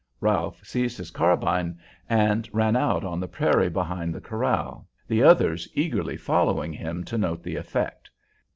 Ralph seized his carbine and ran out on the prairie behind the corral, the others eagerly following him to note the effect.